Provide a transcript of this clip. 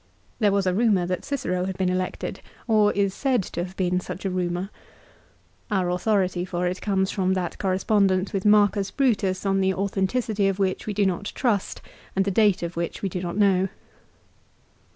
There was a rumour that Cicero had been elected, or is said to have been such a rumour. Our authority for it comes from that correspondence with Marcus Brutus on the authenticity of which we do not trust and the date of which we do not know.